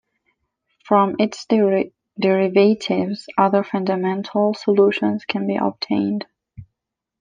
From its derivatives other fundamental solutions can be obtained.